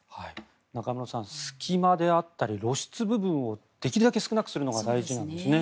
中室さん隙間であったり露出部分をできるだけ少なくするのが大事なんですね。